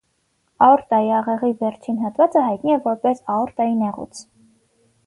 Աորտայի աղեղի վերջին հատվածը հայտնի է որպես աորտայի նեղուց։